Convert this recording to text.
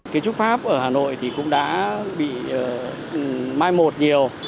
kiến trúc pháp ở hà nội thì cũng đã bị mai một nhiều